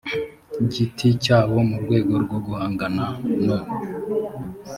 giti cyabo mu rwego rwo guhanga no